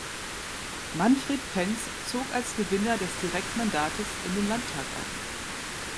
Manfred Pentz zog als Gewinner des Direktmandats in den Landtag ein.